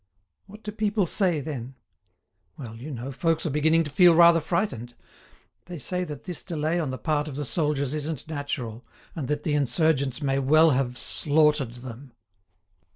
"What do people say then?" "Well, you know, folks are beginning to feel rather frightened; they say that this delay on the part of the soldiers isn't natural, and that the insurgents may well have slaughtered them."